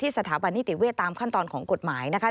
สถาบันนิติเวศตามขั้นตอนของกฎหมายนะคะ